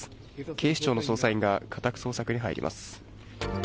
警視庁の捜査員が家宅捜索に入ります。